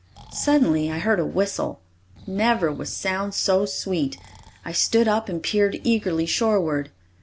Suddenly I heard a whistle. Never was sound so sweet. I stood up and peered eagerly shoreward.